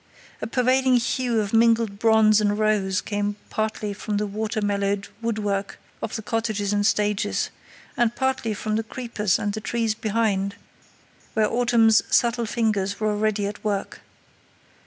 A pervading hue of mingled bronze and rose came partly from the weather mellowed woodwork of the cottages and stages, and partly from the creepers and the trees behind, where autumn's subtle fingers were already at work.